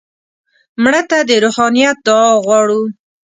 مړه ته د روحانیت دعا غواړو